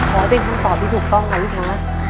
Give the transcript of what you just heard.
ขอให้เป็นคำตอบที่ถูกต้องนะลูกค้า